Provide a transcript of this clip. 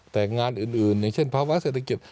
แต่งานอื่นอย่างเช่นภาวะเศรษฐกิจ